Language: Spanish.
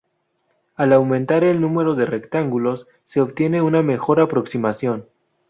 Al aumentar el número de rectángulos se obtiene una mejor aproximación.